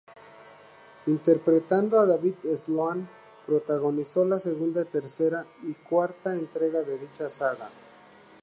Interpretando a David Sloan, protagonizó la segunda, tercera y cuarta entrega de dicha saga.